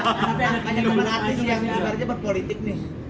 tapi yang tanya sama artis yang sekarang berpolitik nih